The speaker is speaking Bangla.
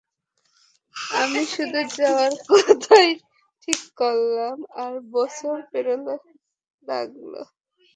আমি শুধু যাওয়ার কথাই ঠিক করলাম, আর বছর পেরোতে লাগলো।